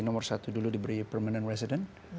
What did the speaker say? nomor satu dulu diberi permanent resident